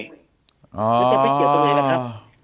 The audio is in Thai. อ๋อจะไปเกี่ยวตัวไงละครับ